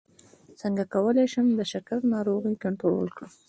څنګه کولی شم د شکر ناروغي کنټرول کړم